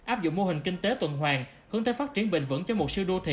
áp dụng mô hình kinh tế tuần hoàng hướng tới phát triển bình vẩn cho một siêu đô thị